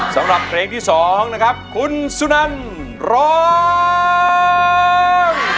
สำหรับเพลงที่๒นะครับคุณสุนันร้อง